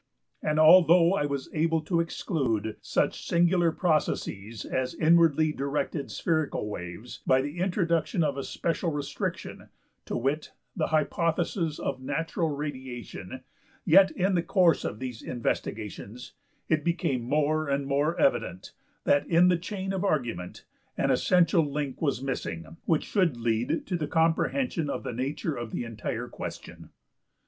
And although I was able to exclude such singular processes as inwardly directed spherical waves by the introduction of a special restriction, to wit the hypothesis of `natural radiation', yet in the course of these investigations it became more and more evident that in the chain of argument an essential link was missing which should lead to the comprehension of the nature of the entire question.